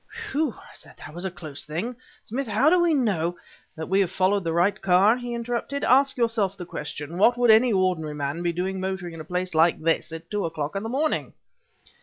"Phew!" I said "that was a close thing! Smith how do we know " "That we have followed the right car?" he interrupted. "Ask yourself the question: what would any ordinary man be doing motoring in a place like this at two o'clock in the morning?"